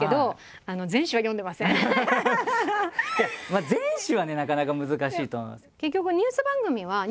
まあ全紙はねなかなか難しいと思います。